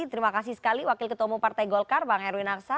terima kasih sekali wakil ketua umum partai golkar bang erwin aksa